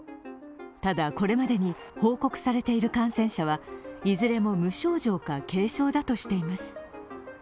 ただ、これまでに報告されている感染者はいずれも無症状か軽症だとしています。